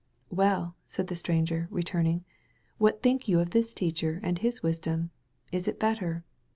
"Well," said the stranger, returning, "what think you of this teacher and his wisdom? Is it better?"